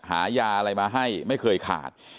หายาอะไรมาให้ไม่เคยขาด